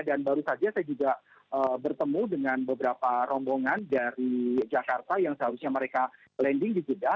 dan baru saja saya juga bertemu dengan beberapa rombongan dari jakarta yang seharusnya mereka landing di jeddah